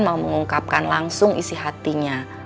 mau mengungkapkan langsung isi hatinya